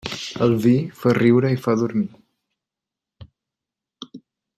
El vi fa riure i fa dormir.